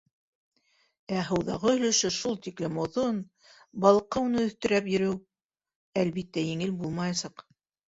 Ә һыуҙағы өлөшө шул тиклем оҙон, балыҡҡа уны өҫтөрәп йөрөү, әлбиттә, еңел булмаясаҡ.